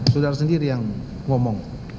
saudara sendiri yang ngomong